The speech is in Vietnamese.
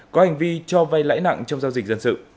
có hành vi cho vay lãi nặng trong giao dịch dân sự